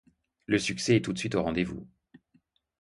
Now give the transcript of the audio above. Le succès est tout de suite au rendez-vous.